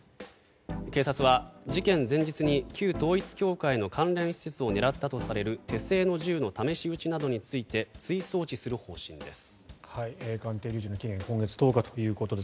警察は事件前日に旧統一教会の関連施設を狙ったとされる手製の銃の試し撃ちなどについて追送致する方針です。